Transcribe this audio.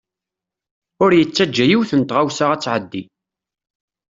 Ur yettaǧa yiwet n tɣawsa ad t-tɛeddi.